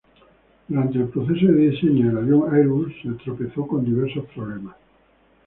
Durante el proceso de diseño del avión Airbus se tropezó con diversos problemas.